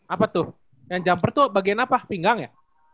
apa tuh yang jumper tuh bagian apa pinggang ya